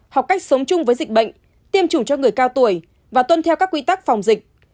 học cách sống chung với dịch bệnh tiêm chủng cho người cao tuổi và tuân theo các quy tắc phòng dịch